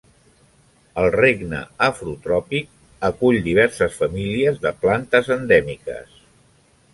El regne Afrotròpic acull diverses famílies de plantes endèmiques.